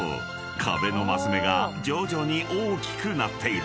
壁の升目が徐々に大きくなっている］